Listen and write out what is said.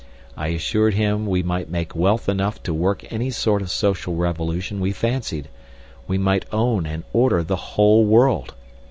I assured him we might make wealth enough to work any sort of social revolution we fancied, we might own and order the whole world.